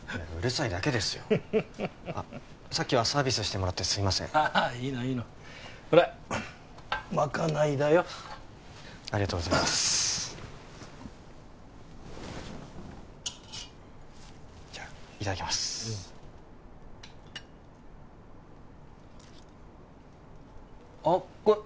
さっきはサービスしてもらってすいませんああいいのいいのほらまかないだよありがとうございますじゃあいただきますあっつい！